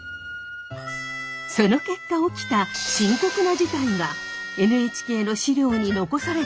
その結果起きた深刻な事態がＮＨＫの資料に残されていました。